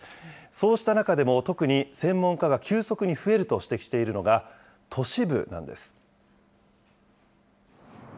そうした中でも特に専門家が急速に増えると指摘しているのが、都市部なんです。